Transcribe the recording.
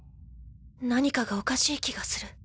何かがおかしい気がする